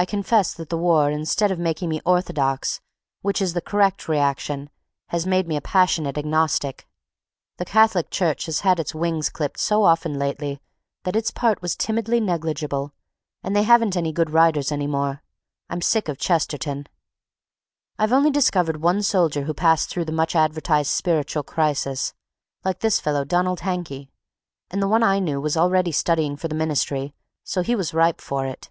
I confess that the war instead of making me orthodox, which is the correct reaction, has made me a passionate agnostic. The Catholic Church has had its wings clipped so often lately that its part was timidly negligible, and they haven't any good writers any more. I'm sick of Chesterton. I've only discovered one soldier who passed through the much advertised spiritual crisis, like this fellow, Donald Hankey, and the one I knew was already studying for the ministry, so he was ripe for it.